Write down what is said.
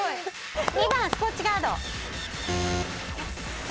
２番スコッチ・ガード。え！